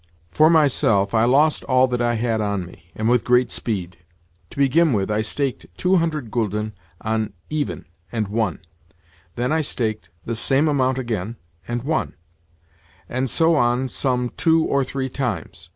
For myself, I lost all that I had on me, and with great speed. To begin with, I staked two hundred gülden on "even," and won. Then I staked the same amount again, and won: and so on some two or three times.